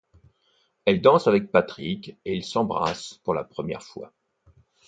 Elle danse avec Patrick, et ils s'embrassent pour la première fois.